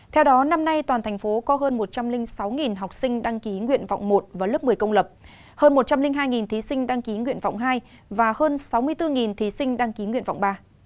theo đó năm nay toàn thành phố có hơn một trăm linh sáu học sinh đăng ký nguyện vọng một vào lớp một mươi công lập hơn một trăm linh hai thí sinh đăng ký nguyện vọng hai và hơn sáu mươi bốn thí sinh đăng ký nguyện vọng ba